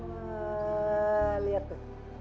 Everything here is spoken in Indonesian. wah liat tuh